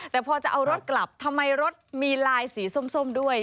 แต่พอจะเอารถกลับทำไมรถมีลายสีส้มด้วย